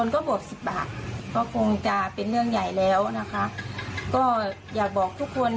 ก็คงจะเป็นเรื่องใหญ่แล้วนะคะก็อยากบอกทุกคน